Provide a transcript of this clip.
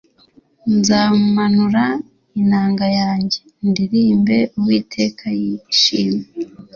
nzamanura inanga yanjye ndirimbe uwiteka yishime